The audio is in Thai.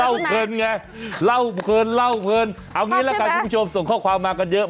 เล่าเพิ่นไงเอาอย่างนี้นะคุณผู้ชมส่งข้อความมากันเยอะ